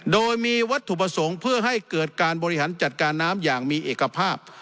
โดยมีวัตถุประสงค์เพื่อให้เกิดการบริหารจัดการน้ำอย่างมีเอกภาพ